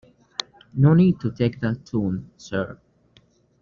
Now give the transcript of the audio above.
No need to take that tone sir.